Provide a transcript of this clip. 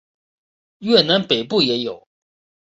越南北部也有。